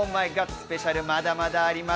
スペシャル、まだまだあります。